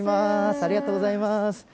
ありがとうございます。